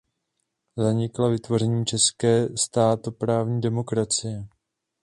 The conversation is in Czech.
Zanikla vytvořením České státoprávní demokracie.